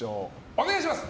お願いします！